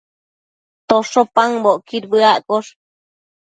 tosho paëmbocquid bëaccosh